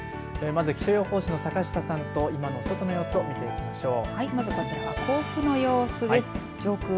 まず、気象予報士の坂下さんと今の外の様子を見ていきましょう。